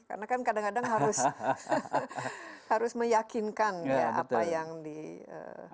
karena kan kadang kadang harus meyakinkan ya apa yang direncanakan itu